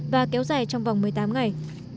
và kéo dài trong vòng một mươi tám ngày